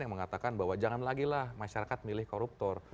yang mengatakan bahwa jangan lagi lah masyarakat milih koruptor